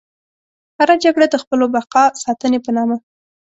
هره جګړه د خپلو بقا ساتنې په نامه.